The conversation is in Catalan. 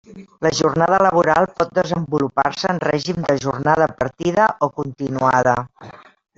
La jornada laboral pot desenvolupar-se en règim de jornada partida o continuada.